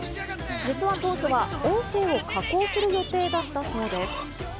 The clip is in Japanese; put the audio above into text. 実は当初は、音声を加工する予定だったそうです。